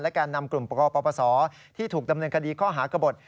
แก่นำกลุ่มปกปศที่ถูกดำเนินคดีข้อหากระบด